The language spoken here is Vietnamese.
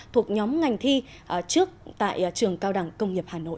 thuộc nhóm ngành thi trước tại trường cao đẳng công nghiệp hà nội